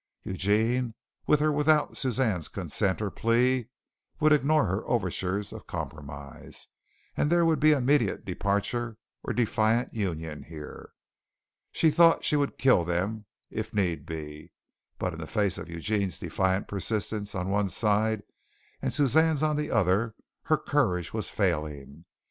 Eugene with or without Suzanne's consent or plea, would ignore her overtures of compromise and there would be immediate departure or defiant union here. She thought she would kill them if need be, but in the face of Eugene's defiant persistence on one side, and Suzanne's on the other, her courage was failing.